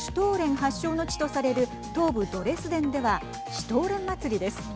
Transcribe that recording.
発祥の地とされる東部ドレスデンではシュトーレン祭りです。